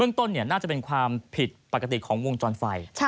ต้นน่าจะเป็นความผิดปกติของวงจรไฟ